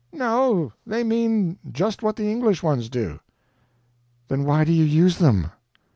"No, they mean just what the English ones do." "Then why do you use them?